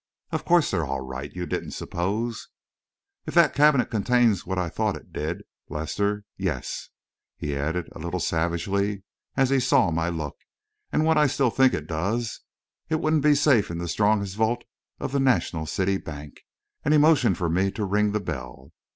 "Of course they're all right. You didn't suppose " "If that cabinet contains what I thought it did, Lester yes," he added, a little savagely, as he saw my look, "and what I still think it does it wouldn't be safe in the strongest vault of the National City Bank," and he motioned for me to ring the bell.